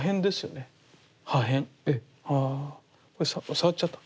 触っちゃった。